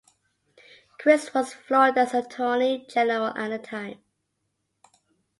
Crist was Florida's Attorney General at the time.